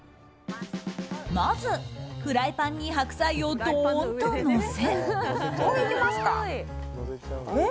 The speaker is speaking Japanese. まず、フライパンに白菜をどーんとのせ。